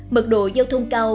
mật độ giao thông cao